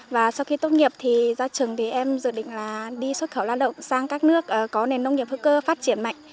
và sau khi tốt nghiệp thì ra trường thì em dự định là đi xuất khẩu lao động sang các nước có nền nông nghiệp hữu cơ phát triển mạnh